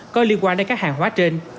có liên quan đến các hàng hóa trên